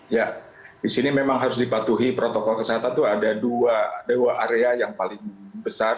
ya di sini memang harus dipatuhi protokol kesehatan itu ada dua area yang paling besar